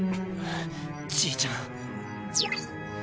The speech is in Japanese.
じいちゃん。